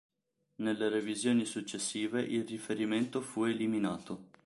Nelle revisioni successive il riferimento fu eliminato.